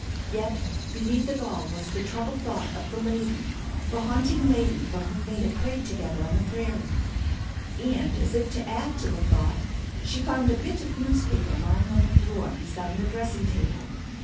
Yet beneath it all was the troubled thought of the lady, the haunting lady for whom they had prayed together on the prairie. And as if to add to the thought she found a bit of newspaper lying on the floor beside her dressing table.